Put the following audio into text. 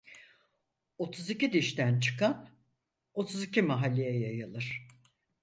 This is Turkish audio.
Otuz iki dişten çıkan, otuz iki mahalleye yayılır.